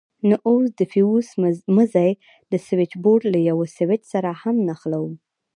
نو اوس د فيوز مزي د سوېچبورډ له يوه سوېچ سره هم نښلوو.